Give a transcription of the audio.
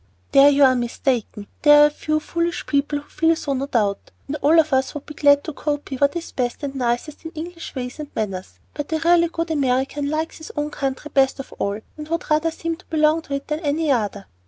"There you are mistaken. There are a few foolish people who feel so no doubt, and all of us would be glad to copy what is best and nicest in English ways and manners, but a really good American likes his own country best of all, and would rather seem to belong to it than any other."